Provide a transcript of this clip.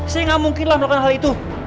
saya gak mungkin lah mengenal hal itu